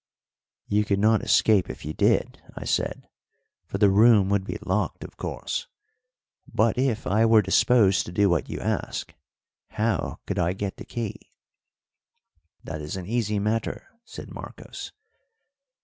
"You could not escape if you did," I said, "for the room would be locked, of course. But if I were disposed to do what you ask, how could I get the key?" "That is an easy matter," said Marcos.